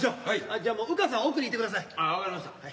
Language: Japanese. じゃあ烏川さんは奥にいてください。